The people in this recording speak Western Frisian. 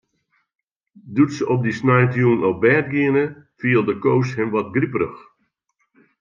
Doe't se op dy sneintejûn op bêd giene, fielde Koos him wat griperich.